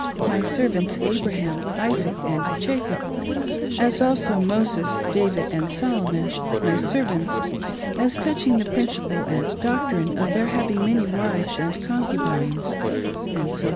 ] my servants Abraham, Isaac and Jacob, as also Moses, David and Solomon, my servants, as touching the principle and doctrine of their having many wives and concubines," &c.